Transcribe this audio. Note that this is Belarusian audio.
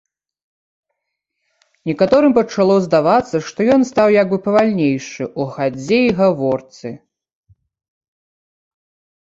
Некаторым пачало здавацца, што ён стаў як бы павальнейшы ў хадзе і гаворцы.